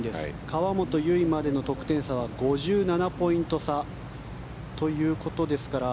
河本結までの得点差は５７ポイント差ということですから。